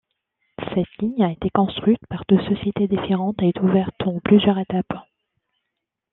Cette ligne a été construite par deux sociétés différentes et ouverte en plusieurs étapes.